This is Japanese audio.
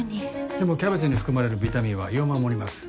でもキャベツに含まれるビタミンは胃を守ります。